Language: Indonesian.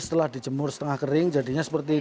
setelah dijemur setengah kering jadinya seperti